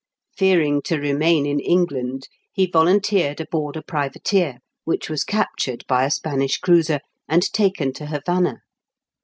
Fearing to remain in England, he volun teered aboard a privateer, which was captured by a Spanish cruiser, and taken to Havana.